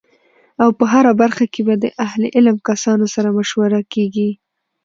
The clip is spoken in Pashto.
او په هره برخه کی به د اهل علم کسانو سره مشوره کیږی